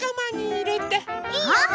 いいよ。